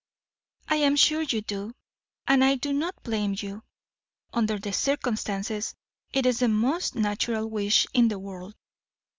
"I am sure you do, and I do not blame you. Under the circumstances, it is the most natural wish in the world.